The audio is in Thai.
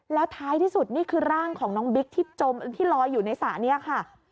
แล้วท้ายที่สุดนี่คือร่างของน้องบิ๊กที่จมที่ลอยอยู่ในสระนี้ค่ะ